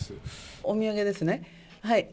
お土産ですね。